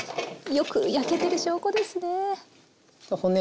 よく焼けてる証拠ですね。